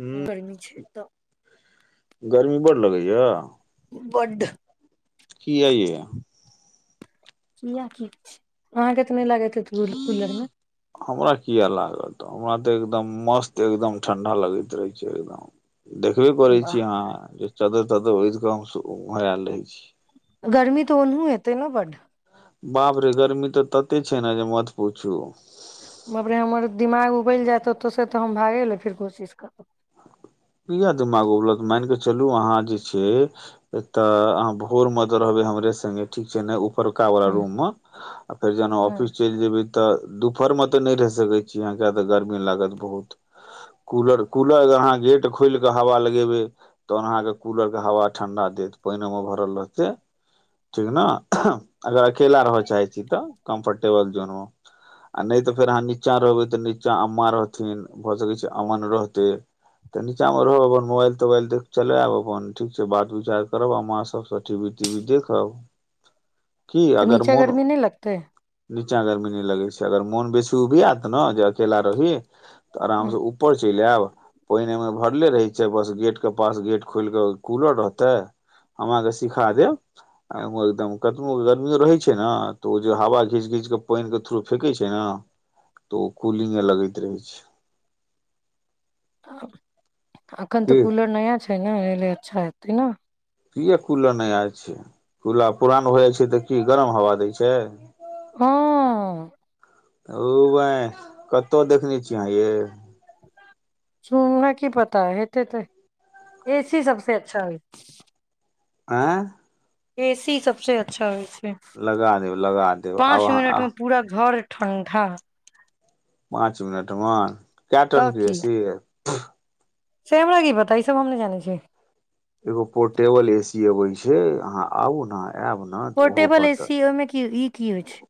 हूं करमी छै कु्तऽ गर्मी बडड़ लगैया बड कियए की अहाँके क नहि लागे है कूलर मे हमरा किया लागत हमरा तऽ एकदम मस्त एकदम ठंडा लगैत रहे छै एकदम देखबे करै वाह छीिय अहाँ जे चदर तब तऽ ओहि क हम हराएल रहै छी गर्मी तऽ ओनहो हेतै ने बड बाप रे गरमी तऽ तते छै ने जे मत पूछू बाप रे हमर दिमाग उबलि जायत ओतयसँ तऽ हम भागय लए फेर कोशिश करब क दिमाग उल मान कऽ चलू अहाँ जे छै एकऽ अहाँ भोर मे तऽ रहबै हमरे संगे ठीक छै ने परका वाला हूँ रूम मे आ फेर जेना हूँ ऑफिस चलि जेबै तऽ दुपहर मे ते नहि रहि सकै छी यह किया तऽ गर्मी लागत बहुत कूलर कूलर अगर अहाँ गेट खोलिके हवा लगेबै तहन अहाँके कूलरके हवा ठण्डा देत पानिओमे भरल रहतै ठीक ने अगर अकेला रहऽ चाहै छी तऽ कम्फर्टेबल जोनमे आ नहि तऽ फेर अहाँ नीचाँ रहबै तऽ नीचाँ अम्माँ रहथिन भऽ सकै छै अमन रहथिन तऽ नीचा मे रहब अपन मोबाइल तोबाइल चलायब अपन ठीक छै बात विचार करबा आ मां सबसँ टी वी ती वी देखब की तऽ अगर नीचा मोन गर्मी नहि लगतेै नीचा गरमी नहि लगै छै अगर मोन बेसी उबियात ने जे अकेला रही तऽ आराम से ऊपर चलि आयब पानि एहिमे भरले रहै छै बस गेटके पास गेट खोलि कऽ कूलर रहतै हम अहांकेँ सीखा देब आ एकदम कतनो गर्मियो रहै छै ने तऽ ओ जे हवा घीच घीच कऽ पानिके थ्रू फेेकै छै ने तऽ ओ कूलिंगे लगैत रहै छै त अखन त की कूलर नया छै ने एहि ल अच्छा हेतै ने किए कूलर नया छै कूल पुरान हो जाइ छै तऽ की गरम हवा दै छै हं ओ बंहि कत्त देखने छियै अहां यै सुनना की पता हेते तऽ एसी सबस अच्छा ह ऐं एसी सबसँ अच्छा होय छै लगा देब लगा देब आब ठण्डा पाँच मिनट म क्य टन तऽ के की एसी अय [unintelligible] से हमरा की पता ई सब हम नहि जानै छियै एगो पोर्टेबल एसी आबै छै अहाँ आबु ने आयब ने तऽ ओहो पोर्टेबल पतत एसी ओइमे कि ई की होइ छै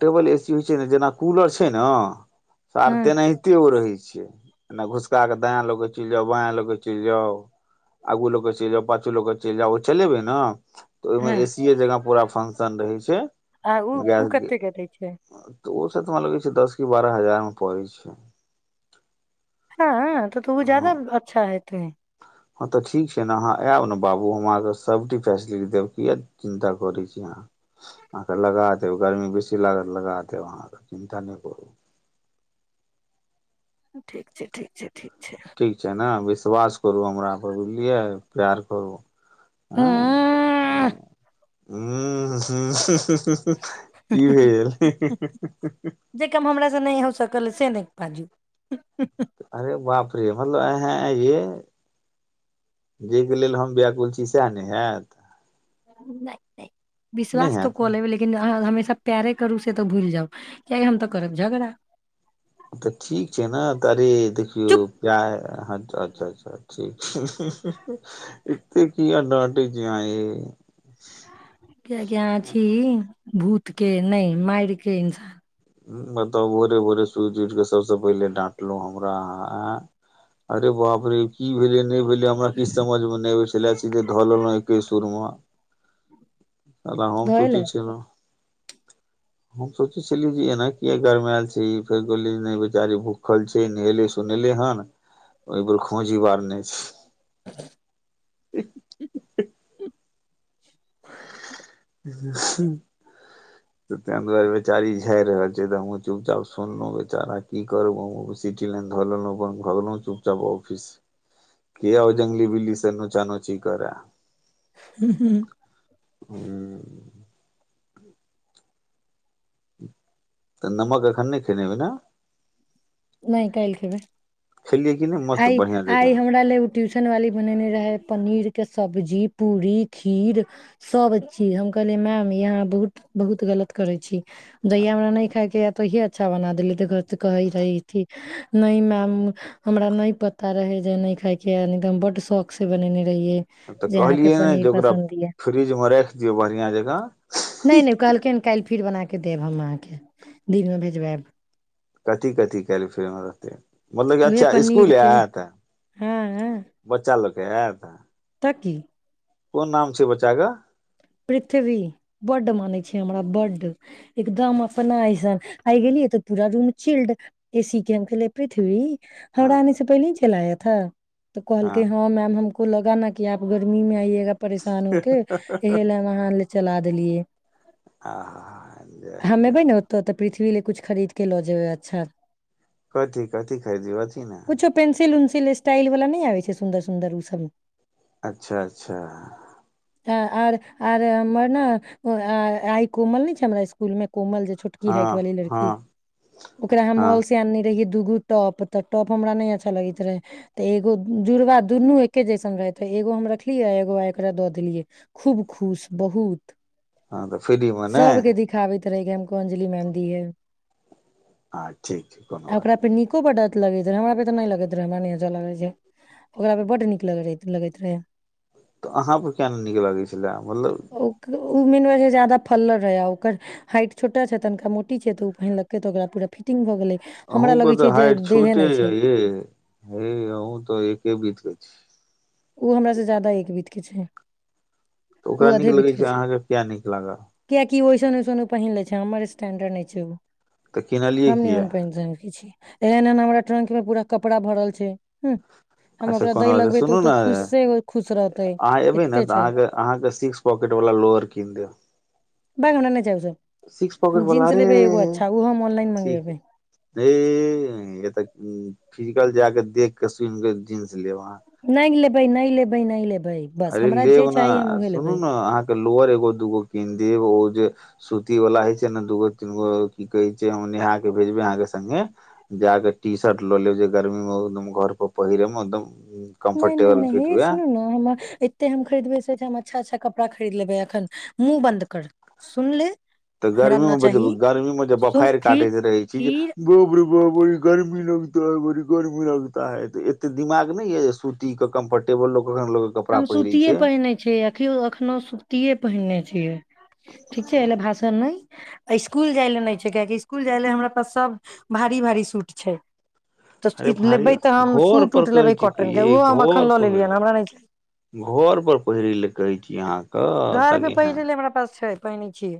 टेबल ए सी होइ छै ने जेना कूलर छै ने सार हँ तेनाहिते ओ रहै छै छ घुसका क दायाँ लऽके चलि जाउ बाय लऽ के चलि जाउ आगू लऽ के चलि जाउ पाछू लऽ के चलि जाउ ओ चलेबे ने तऽ ओहिमे हँ ए सीए जगह पूरा फंक्शन रहै छै आ ओ ओ गैस कतेके दै छै तऽ ओ सब तरा लगै छै दस की बारह हजार मे पड़ै छै हँ तऽ तऽ ओ ज जाादा हँ अच्छा हेतै हँ तऽ ठीक छै ने अहाँ आयब ने बाबू हम अहाँकेँ सभटी फैसिलिटी देब किएक चिन्ता करै छी अहाँ अहाँकेँ लगा देब गर्मी बेसी लागत लगा देब अहाँकेँ चिन्ता नहि करू ठीक छै ठीक छै ठीक छै ठीक छै ने बेस विश्वास करू हमरापर बुझलियै प्यार करू हँ उम्म ह ह ह की भेल गेल जे काम हमरा से नहि हो सकल से नहि बाजू नहि अरे बापरी मतलब अ ह ये जाहिके लेल हम व्याकुल छी सएह ने हयत विश्वास तऽ हैत कै ब कि हम प्यारे करू से तऽ भूलि जाउ किय हम तऽ करब झगड़ा तऽ ठीक छै ने त अरे देखियौ चुप प्य अच्छा अच्छा ठ इे की एडवानटेज य क क्य छी भूत के नहि मार के इन्सान बताउ भोरे भोरे सुति उठ के सबसे पहिले डाटलो हमरा अरे बाप रे की भेले नहि भेले हमरा किी समझमे नहि सिलची त धऽल एके सुरमे त हमम धोए सची लेब छल हम सोचे छललि जी एना क गरमायल छै फेर कहोल बेचारी भूखल छै नहेले सुोनेले हन ओहि पर खोजी बार नहि छै ह [unintelligible] ह तऽ ताहि दुआरे बेचारी झाड़ि रहल छै तऽ हमहूँ चुपचाप सुनलहुँ बेचारा की करू हम सिटी लाइन धऽ लेलहुँ अपन भगलहु चुपचाप ऑफिस क आ जङंगगली बिल्लीसँ नोचा नोची करए ह हू ह तऽ नमक एखन नहि खेनेब ने नहि काल्हि खेबे खेलियै कि नहि मस्त आइ बढ़ियां आइ जकाँ हमरा ले ट्यूशन वाली बनेने रहे पनीर के सब्जी पूरी खीर सब चीज हम कहलै मैम यहा बहुत बहुत गलत करे छी जहिया हमरा नहि खाय के य तोहिये अच्छा बना देले त घर कहे रहे नहि मैम हमरा नहि पता रहे जे न खायके बड शौख से बनेने रहियै तऽ जे अहाँके कहलियै ने पनीर जे ओकरा पसन्द य फ्रिजमे राखि दियौ बढ़िआँ जका नहि नहि कहलकै हन काल्हि फिर बना देब हम अहाँके दिन मे भेजबायब कथी क फरे मतलब उहे अच्छा पनीर के स्कुलतै हँ बच्चा लग क तऽ बाकी कोन नाम छै बचागा पृथ्वी बड माने छै हमरा बड्ड एकदम अपना ऐसन आ गेलियै तऽ पूरा रूम चिल्ड ए सी के हम खेले पृथ्वी हँ हराा आने से पहिलेी चलाय अठ तऽ कहलके हँ मैम हमको को लगा ना कि आप गर्मी में आइय परेशान हो के इ ले वहन ले चला देलियै आहा जाउ हमे भै जाउ ने होतौ तऽ पृथ्वी ल कछ खरीद के लऽ जेयबै अच्छा कथी कथी खरीदौ अथ ने कुछो पेंसिल स्टाइल वाला नहि आबै छै सुन्दर सुन्दर ओ सब अच्छा अच्छा तऽ आर आर हमर ने आइ कोमल ने छै हमरा स्कूल मे कोमल जे छोटकी हँ हाइट वाली लड़की हँ ओकरा हम हँ मल से आनने रहिय दूगो टॉप तऽ टॉप हमरा नहि अच्छा लगैत रहे तऽ एगो जुड़वा दुनू एके जैसन रहे त एगो हम रखलियै एगो एकरा दऽ देलियै खूब खुश बहुत हँ तऽ फ्री मने तरहके हमको अंजलि मैम दी है हँ ठीक छै कोनो आ बात ओकरा नहि पे छै नीको बड लगैत रहै हमरा पे तऽ नहि लगैत रहै हमरा लैत ओकरा पे बड्ड नीक लगैत रहै तऽ अहाँ पर क्य नीक लागै छलै मतलब उ मेन जदा फल रहे ओकर हाइट छोटा छै तिका मोी छै त उ पहिनलके त ओकरा पूरा फिटिंग भ गेले अहूँ को तऽ हाइट छोटे है ये हे अहूँ तऽ एके बीत ग ओ हमरासँ ज्यादा एकबीतके छै तऽ ओ ओकरा नीक अधे लगै छै अहाँके कए नीक लागय की ओइसन ओइसन ओ पहिन लै छै हमर स्टैणडर्ड नहि छै ओ तऽ किनलियै हम नमन किया प त कि छी एहन एहन हमरा ट्रंक मे पूरा कपड़ा भरल छै ह हम अच्छा ओकरा कोनो दही बात लगबे सुनू तऽ तऽ खुशे खुश रहतै अहाँ एबै ने एते तऽ छै अहाँ अहाँके सिक्स पॉकेट वाला लोअर किन देब भाग हम उना नहि जैब जाऊ सिक्स पॉकेट हम वाला जींस अरे लेबै एगो अच्छा उहो हम ऑनलाइन मंगेबै ऐह बहिन एतऽ फिजिकल जाक देख के सुनिक जिन्स जिन्स लेब अहाँ नहि लेबै नहि लेबै बस अरे हमरा जे लेब ने चाही हम उहे सुनू लेबै ने अहाँके लोअर एगो दूगो कीन देब ओ जे सूती वाला हइ छै ने दूगो तीनगो की कहे छै हम नहा के भेजबे अहाँ के सगे जााके टी शर्ट लऽ लेब जे गर्मी मे घर पर पहिरे मे एकदम नहि नहि कम्फर्टेबल नहि फिट हे हुए सुनू ने हमर एते हम खरीदबै से हम अच्छा अच्छा कपड़ा खरीद लेबै अखन मुँह बन्द कर सुन ले तऽ हमरा गर्मी न मे बड चाही गर्मी मे जे सुन बपहारि फिर काटैत रहै छी जे फिर बाप रे बाप गर्मी लगै लगता है एते दिमाग नै यै जे सूती के कम्फर्टेबल लोक कखन लोक कपड़ा हम पहिरै सूतिए छै पहिने छै अखियो अखनो सूतिए पहिनने छी छी ठीक छै एलेल भाषन नहि इसकुल जाइ लए नहि छै किआकि इसकुल जाय लए हमरा पास सभ भारी भारी सूट छै अरे तऽ भारी लेबै तऽ हम घर सूट पर उट कहै लेबै छी कॉटन के ओहो हम एखन लऽ लेलियै ह हमरा नहि चाही घरपर पहिरै लेल कहै छी अहाँके घर पे कनी ह पहिरै ले हमरा पास छै पहिने छी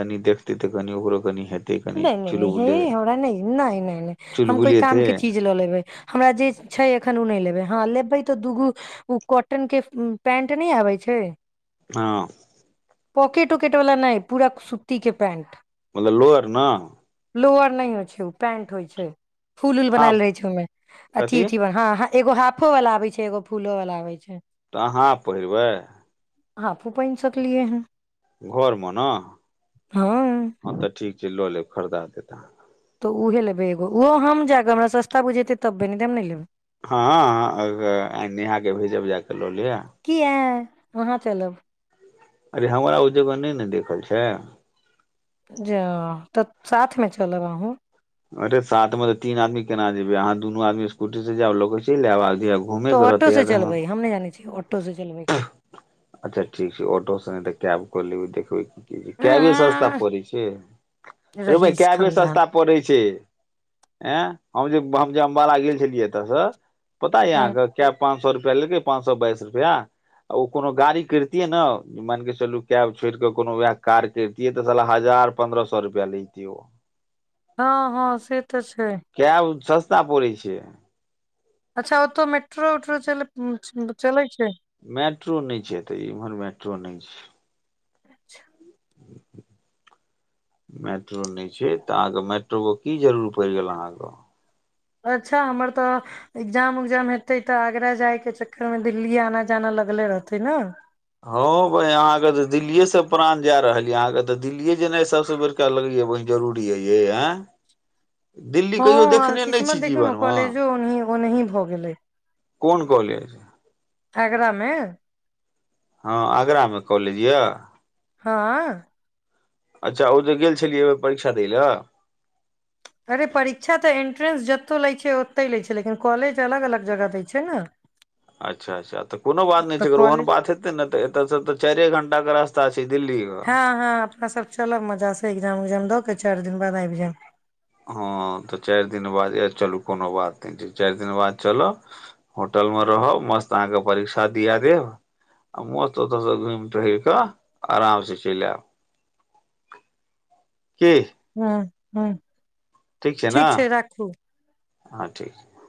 तनी देखते तऽ कनि ओकरो कनि हेतै कनि नहि चुलबुले नहि नहि हम कोइ चुलबुले काम ते के चीज लऽ लेबै हमरा जे छै एखन नहि लेब लेबै तऽ दूगो उ कॉटन के पैंट नहि आबै छै हँ पॉकेट उकेट वला नहि पूरा सुती के पैंट मतलब लोअर ने लोअर नहि होइ छै ओ पेंट होइ छै फूल ऊल हाफ बनैल रहे छै ओहिमे अथी कथी उथि ह ह एगो हाफो वाला आबै छै एगो फूलो वाला आबै होइ छै तऽ अहाँ हाफ पहिरबै हाफो पेन्ट सोचलियै हन घरमे ने हँ तऽ ठीक छै लऽ लेब खरीदा देत अहाँके तऽ उहे लेबै एगो ओहो हम जाके हमरा सस्ता बुझेतै तभे नहि तऽ हम नहि लेबे हँ आ नेहा कऽ भेजब जा कऽ लऽ लियअ किया अहाँ चलब अरे हमरा ओ जगह नहि ने देखल छै जा तऽ साथमे चलब अहुं अरे साथ मे तीन आदमी केना जेबै अहाँ दुनू आदमी स्कूटी से जाउ लऽ कऽ चैल आएब तऽ ऑटो से चलबइ हम नहि जानै छी आ अच्छा ठीक छै ऑटो स नै तऽ कैब कऽ लेबै ख की कैबे सस्ता पड़ै छै रौ बहिं रहीश कैबे खानदान सस्ता पड़ै छै आँय हम जे हम जे अम्बाला गेल छलियै एतऽसँ पता यै हँ अहाँ के काएब पाँच सए रुपआ पहिलके पाँच सए बाइस रुपैआ आ ओ कोनो गाड़ी करितियै ने मान कऽ चलू कैब छोड़ि कऽ कोनो उएह कार करितियै तऽ सह हजार पन्द्रह सए रुपैआ लेैतियै ओ हँ हँ से तऽ छै ता पड़ै छै अच्छा ओ तऽ मेट्रो उट्रो चलै छै मेट्रो नै छै तऽ इमहर मेट्रो नहि छै अच्छा मेट्रो नहि छै तऽ अहाँके मेट्रोके की जरूर पड़ि गेल अहाँके अच्छा हमर तऽ एग्जाम उग्जाम हेतै तऽ आगरा जायके चक्करमे दिल्ली आना जाना लगले रहतै ने हँ औ बंहि अहाँके तऽ दिल्लीएसँ प्राण जाय रहल य अहाँकेऽ दिल्लीए जेना सबसँ बड़का लगैया बहि जरूरी ऐ यै एं हँ किस्मत देखियौ ने मे कॉलेजोह ओनही भऽ गेलै कोन कॉलेज आगरा मे हँ आगरामे कॉलेज यऽ हँ अच्छा ओ जे गेल छलियै अय बेर परीक्षा दै लए अरे परीक्षा तऽ इन्ट्रेंस जतहु लैत छै ओतहि लैत छै लेकिन कॉलेज अलग अलग जगह दैत छै ने अच्छा अच्छा तऽ कोनो बात नहि तऽ छै अगर ओहन कॉलेज बात हेतै ने तऽ एतऽसँ तऽ चारे घंटा रास्ता छै दिल्लीके हँं हँं अपना सब चलब मजा से एग्जाम उग्जाम द के चार दिन बाद आइब जायब हँ तऽ चारि दिन बाद चलू कोनो बात नहि छै चारि दिन बाद चल होटल मे रहब मस्त अहाँके परीक्षा दिया देब आ मस्त ओतसं घुमि कऽ आराम से चलि आयब की हँ हँ ठीक छै राखू हँ ठीक छै